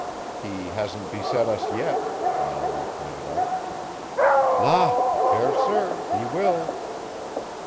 "He hasn't beset us yet," Mallory pointed out. "La! fair sir, he will."